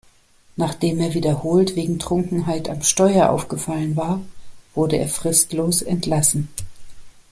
Nachdem er wiederholt wegen Trunkenheit am Steuer aufgefallen war, wurde er fristlos entlassen.